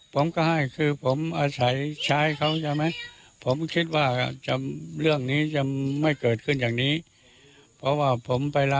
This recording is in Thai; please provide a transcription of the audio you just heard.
ผมก็เสียจังให้พยานผมเยอะแยะแล้ววันเกิดเหตุเนี้ยค่ะที่บอกว่า